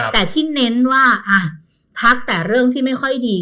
แต่ที่เน้นว่าพักแต่เรื่องที่ไม่ค่อยดี